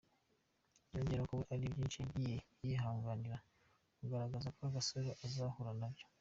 Yongeraho ko we hari byinshi yagiye yihanganira, agaragaza ko Agasaro azahura nabyo.